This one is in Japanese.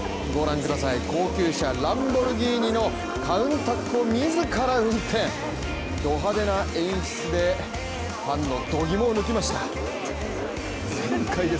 高級車のランボルギーニのカウンタックを自ら運転ド派手な演出でファンの度肝を抜きました。